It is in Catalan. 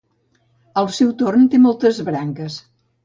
Al seu torn, té moltes branques.